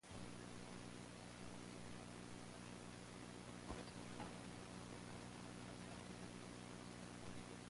The Prime Minister effectively ran his country from "Richmond" for several hours.